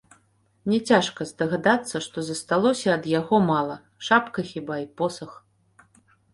Няцяжка здагадацца, што засталося ад яго мала, шапка хіба і посах.